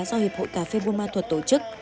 do hiệp hội cà phê bù mà thuật tổ chức